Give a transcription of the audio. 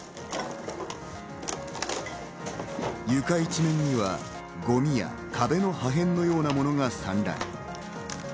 床一面にはゴミや壁の破片のような物が散乱。